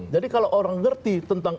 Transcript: jadi kalau orang ngerti tentang